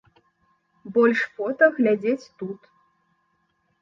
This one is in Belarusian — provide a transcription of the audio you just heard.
Больш фота глядзець тут.